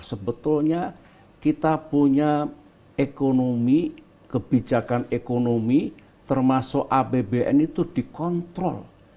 sebetulnya kita punya ekonomi kebijakan ekonomi termasuk apbn itu dikontrol